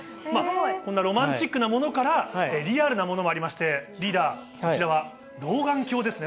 こんなロマンチックなものから、リアルなものもありまして、リーダー、こちらは老眼鏡ですね。